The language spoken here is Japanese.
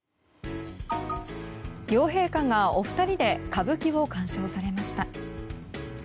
両陛下がお二人で歌舞伎を鑑賞されました。